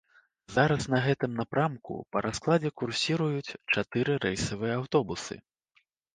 Зараз на гэтым напрамку па раскладзе курсіруюць чатыры рэйсавыя аўтобусы.